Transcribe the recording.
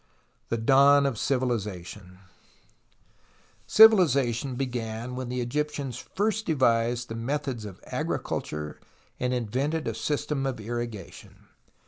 The Dawn of Civilization Civilization began when the Egyptians first devised the methods of agriculture and in vented a system of irrigation.